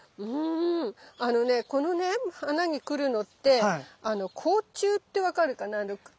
あのねこの花に来るのって甲虫って分かるかな。